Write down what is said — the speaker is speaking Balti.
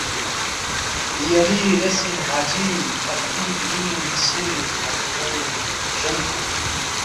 یاری ریس اِن حاجی تھدکھی دیرینگ ژیر تھدکھونی بجون پو